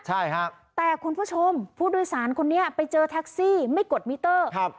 ใช่ครับแต่คุณผู้ชมผู้โดยสารคนนี้ไปเจอแท็กซี่ไม่กดมิเตอร์ครับ